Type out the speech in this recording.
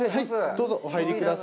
どうぞ、お入りください。